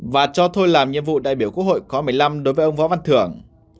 và cho thôi làm nhiệm vụ đại biểu quốc hội khóa một mươi năm đối với ông võ văn thưởng